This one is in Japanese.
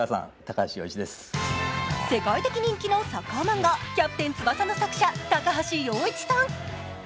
世界的人気のサッカー漫画「キャプテン翼」の作者、高橋陽一さん。